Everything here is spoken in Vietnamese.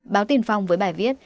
báo tin phong với bài viết